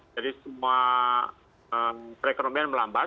jadi semua perekonomian melambat